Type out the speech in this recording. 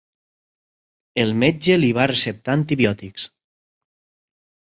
El metge li va receptar antibiòtics.